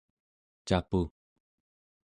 capu